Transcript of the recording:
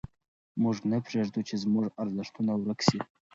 موږ نه پرېږدو چې زموږ ارزښتونه ورک سي.